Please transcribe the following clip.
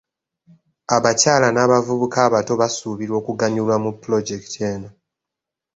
Abakyala n'abavubuka abato basuubirwa okuganyulwa mu pulojekiti eno.